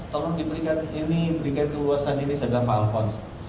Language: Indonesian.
tolong diberikan ini berikan kebuasan ini saja pak alphonse